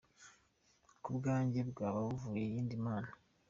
Ku bwanjye, mwaba muvuga iyindi Mana”